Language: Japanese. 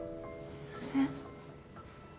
えっ。